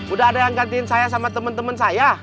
udah ada yang gantiin saya sama temen temen saya